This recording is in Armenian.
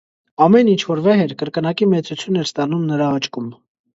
Ամեն ինչ, որ վեհ էր, կրկնակի մեծություն էր ստանում նրա աչքում: